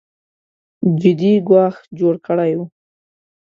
جدي ګواښ جوړ کړی و